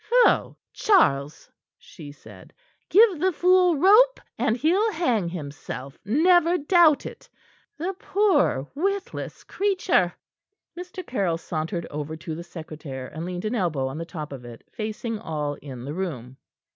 "Pho! Charles," she said; "give the fool rope, and he'll hang himself, never doubt it the poor, witless creature." Mr. Caryll sauntered over to the secretaire, and leaned an elbow on the top of it, facing all in the room.